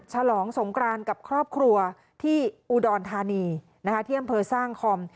ฉลองสงกรานกับครอบครัวที่อุดรธานีที่อำเภอสร้างคอม